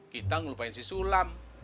kita ngelupain si sulam